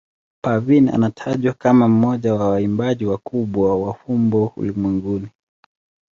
Parveen anatajwa kama mmoja wa waimbaji wakubwa wa fumbo ulimwenguni.